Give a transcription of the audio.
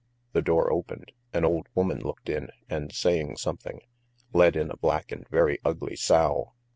The door opened, an old woman looked in, and, saying something, led in a black and very ugly sow.